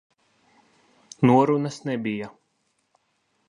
Norunas nebija.